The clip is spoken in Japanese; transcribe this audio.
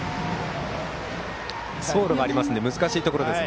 走路がありますので難しいところですが。